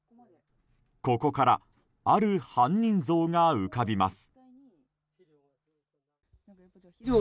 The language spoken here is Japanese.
ここからある犯人像が浮かびます。